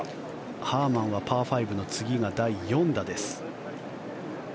ハーマンはパー５の次が第４打です。